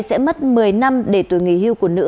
sẽ mất một mươi năm để tuổi nghỉ hưu của nữ